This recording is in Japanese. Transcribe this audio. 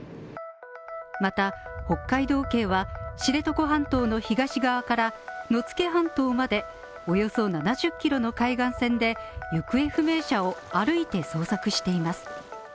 また、北海道警は知床半島の東側から野付半島までおよそ７０キロの海岸線で行方不明者を歩いて捜索しています。